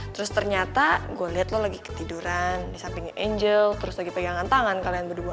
terus ternyata gue lihat lo lagi ketiduran di samping angel terus lagi pegangan tangan kalian berdua